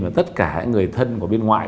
và tất cả người thân của bên ngoại